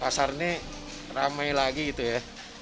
pasar ini ramai lagi gitu ya